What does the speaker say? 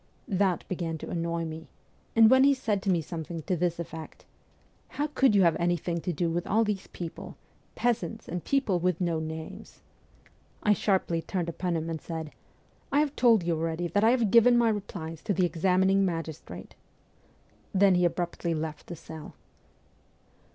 That began to annoy me; and when he said to me something to this effect, 'How could you have anything to do with all these people peasants and people with no names ?' I sharply turned upon him and said, ' I have told you already that I have given my replies to the examining magis trate.' Then he abruptly left the cell.